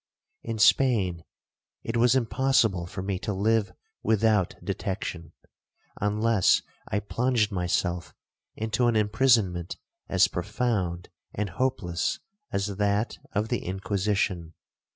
In Spain it was impossible for me to live without detection, unless I plunged myself into an imprisonment as profound and hopeless as that of the Inquisition.